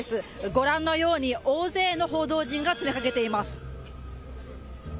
ご覧のように大勢の報道陣が詰めかけています。